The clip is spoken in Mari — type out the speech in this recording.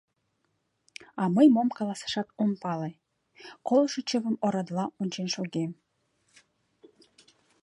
А мый мом каласашат ом пале, колышо чывым орадыла ончен шогем.